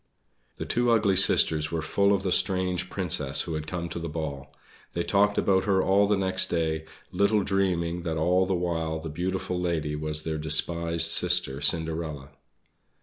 The two ugly sisters were full of the strange Princess who had come to the ball. They talked about her all the next day, little dreaming that all the while the beautiful lady was their despised sister Cinderella.